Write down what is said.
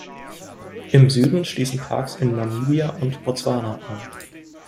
Im Süden schließen Parks in Namibia und Botswana an.